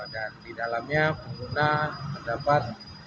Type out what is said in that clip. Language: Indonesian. dan di dalamnya pengguna mendapat